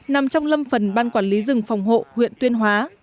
nằm trong lâm phần ban quản lý rừng phòng hộ huyện tuyên hóa